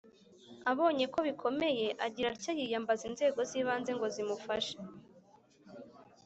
abonye ko bikomeye agira atya yiyambaza inzego zibanze ngo zimufashe